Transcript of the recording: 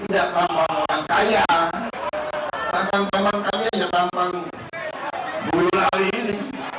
tampang tampang kalian ya tampang bu yulali ini